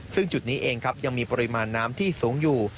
ซึ่งจุดนี้เองครับยังมีปริมาณน้ำที่สูงอยู่